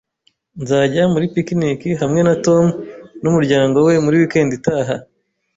Nzajya muri picnic hamwe na Tom n'umuryango we muri weekend itaha